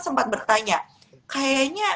sempat bertanya kayaknya